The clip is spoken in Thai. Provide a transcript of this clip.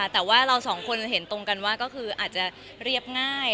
แต่ว่าเราสองคนเห็นตรงกันว่าก็คืออาจจะเรียบง่าย